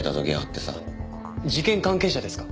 事件関係者ですか？